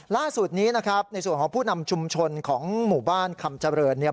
ล่าสุดนี้ในส่วนของผู้นำชุมชนของหมู่บ้านคำเจริญ